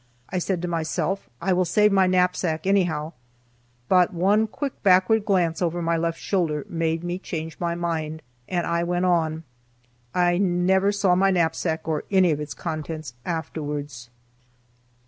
I said to myself, "I will save my knapsack, anyhow;" but one quick backward glance over my left shoulder made me change my mind, and I went on. I never saw my knapsack or any of its contents afterwards.